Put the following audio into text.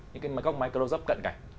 những cái góc máy close up cận cảnh